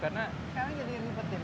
sekarang jadi rupet ya malah